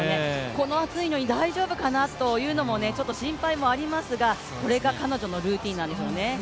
この暑いのに大丈夫かなという心配もありますがこれが彼女のルーチンなんですよね。